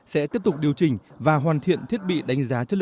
sẽ tiếp tục điều chỉnh và hoàn thiện thiết bị đánh giá